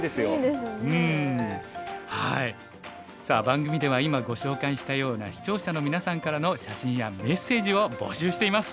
さあ番組では今ご紹介したような視聴者のみなさんからの写真やメッセージを募集しています。